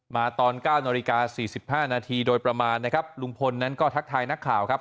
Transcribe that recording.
มาตอน๙นาฬิกา๔๕นาทีโดยประมาณนะครับลุงพลนั้นก็ทักทายนักข่าวครับ